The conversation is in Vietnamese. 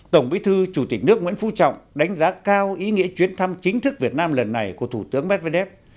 tổng bí thư chủ tịch nước nguyễn phú trọng đánh giá cao ý nghĩa chuyến thăm chính thức việt nam lần này của thủ tướng medvedev